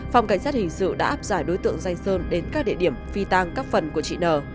phòng cảnh sát hình sự đã áp giải đối tượng danh sơn đến các địa điểm phi tang các phần của chị nờ